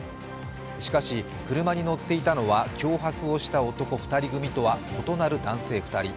しかし、車に乗っていたのは脅迫をした男２人組とは異なる男性２人。